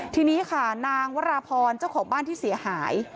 ทีนี้ค่ะนางวราพรเจ้าของบ้านที่เสียหาย